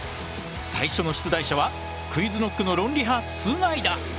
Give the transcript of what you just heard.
最初の出題者はＱｕｉｚＫｎｏｃｋの論理派須貝だ。